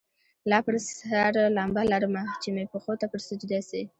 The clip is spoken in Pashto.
لا پر سر لمبه لرمه چي مي پښو ته پر سجده سي